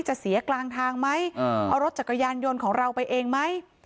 จะเสียกลางทางไหมเอารถจักรยานยนต์ของเราไปเองไหม